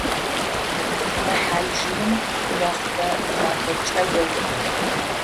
Мы хьалыжъыем иуахътэ зы мафэкӏэ еухы.